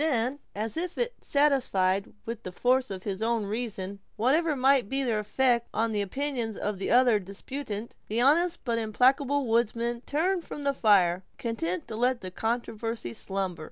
Then, as if satisfied with the force of his own reasons, whatever might be their effect on the opinions of the other disputant, the honest but implacable woodsman turned from the fire, content to let the controversy slumber.